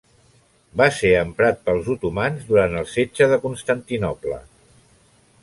Va ser emprat pels otomans durant el setge de Constantinoble.